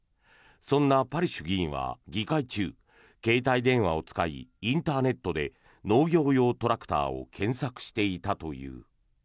そんなパリシュ議員は議会中携帯電話を使いインターネットで農業用トラクターを検索していたという。